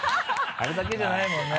あれだけじゃないもんね。